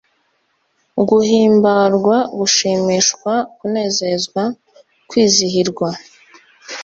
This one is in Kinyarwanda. guhimbarwa gushimishwa , kunezezwa, kwizihirwa